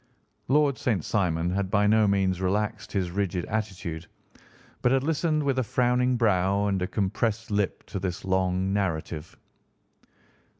Lord St. Simon had by no means relaxed his rigid attitude, but had listened with a frowning brow and a compressed lip to this long narrative.